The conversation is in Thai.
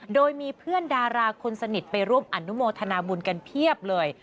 โดยมีเพื่อนดาราคนสนิทไปร่วมอนุโมทนาบุญกันเพียบเลย